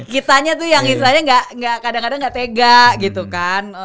kitanya tuh yang istilahnya kadang kadang gak tega gitu kan